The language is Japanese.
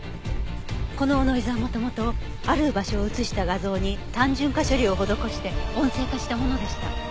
このノイズは元々ある場所を写した画像に単純化処理を施して音声化したものでした。